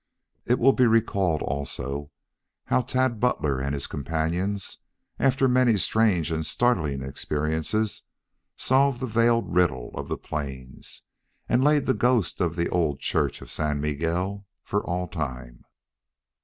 It will be recalled also, how Tad Butler and his companions, after many strange and startling experiences, solved the veiled riddle of the plains and laid the ghost of the old church of San Miguel, for all time.